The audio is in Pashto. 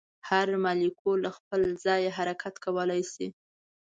هر مالیکول له خپل ځایه حرکت کولی شي.